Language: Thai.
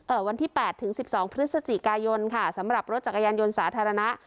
วันที่แปดถึงสิบสองพฤศจิกายนค่ะสำหรับรถจักรยานยนต์สาธารณะ